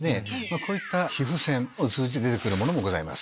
こういった皮膚腺を通じて出て来るものもございます。